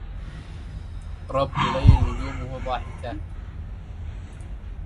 رب ليل نجومه ضاحكات